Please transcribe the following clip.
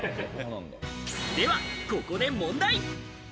では、ここで問題。